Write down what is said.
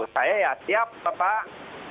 saya siap pak